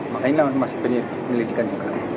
makanya masih penyelidikan juga